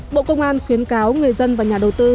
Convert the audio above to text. bộ công an khuyến cáo người dân và nhà đầu tư